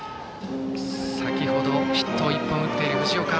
先程、ヒットを１本打っている藤岡。